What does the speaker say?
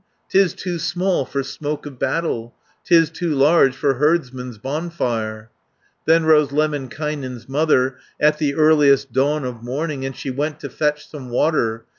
'Tis too small for smoke of battle, 'Tis too large for herdsman's bonfire." Then rose Lemminkainen's mother, At the earliest dawn of morning, 460 And she went to fetch some water.